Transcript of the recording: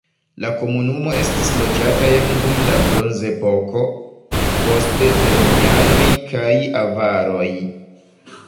La komunumo estis loĝata jam dum la bronzepoko, poste de romianoj kaj avaroj.